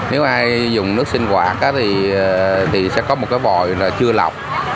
nếu ai dùng nước sinh hoạt thì sẽ có một cái vòi là chưa lọc